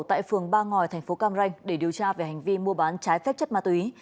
tại phường ba ngòi thành phố cam ranh để điều tra về hành vi mua bán trái phép chất ma túy